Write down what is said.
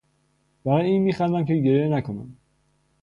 برای این میخندم که گریه نکنم!